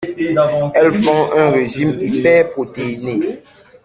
Elles font un régime hyper protéiné.